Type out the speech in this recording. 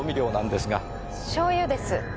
しょうゆです。